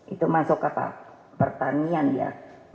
itu masuk apa pertanian ya